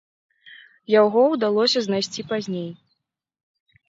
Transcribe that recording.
Яго ўдалося знайсці пазней.